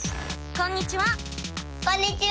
こんにちは。